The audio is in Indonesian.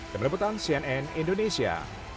demikian cnn indonesia